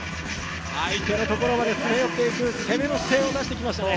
相手のところまで攻め寄っていく攻めの姿勢を出してきましたね。